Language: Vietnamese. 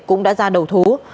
cũng đã ra đầu thú